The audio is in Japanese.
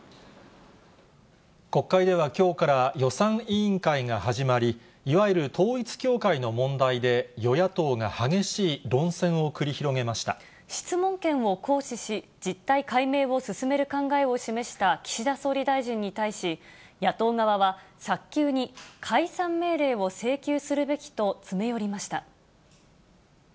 国会ではきょうから予算委員会が始まり、いわゆる統一教会の問題で、実態解明を進める考えを示した岸田総理大臣に対し、野党側は、早急に解散命令を請求するべきと詰め寄りました。